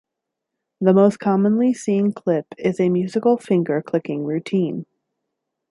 The most commonly seen clip is a musical finger clicking routine.